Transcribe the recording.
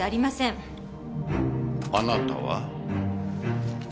あなたは？